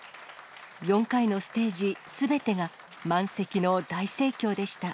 ４回のステージすべてが満席の大盛況でした。